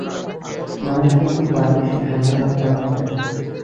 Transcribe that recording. মানুষ কিন্তু পারে, সে সন্তানের জন্ম দেয়।